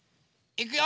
いくよ。